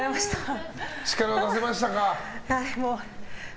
力は出せましたか？